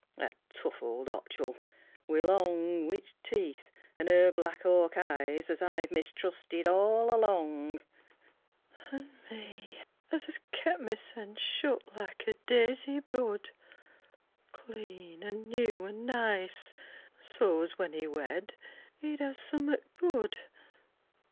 A tough old otchel wi' long Witch teeth, an' 'er black hawk eyes as I've Mistrusted all along! An' me as 'as kep my sen Shut like a daisy bud, Clean an' new an' nice, so's when He wed he'd ha'e summat good!